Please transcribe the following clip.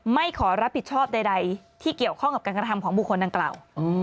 ไม่ขอรับผิดชอบใดที่เกี่ยวข้องกับการกระทำของบุคคลดังกล่าว